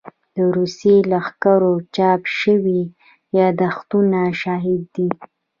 د روسي لښکرو چاپ شوي يادښتونه شاهد دي.